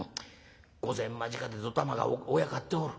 御前間近でどたまがおやかっておる。